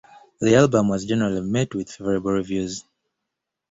The album was generally met with favorable reviews.